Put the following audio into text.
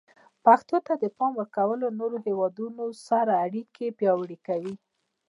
پښتو ته د پام ورکول د نورو هیوادونو سره اړیکې پیاوړي کوي.